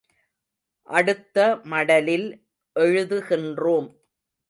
அடுத்த மடலில் எழுதுகின்றோம்!